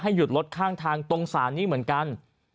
หยุดรถข้างทางตรงศาลนี้เหมือนกัน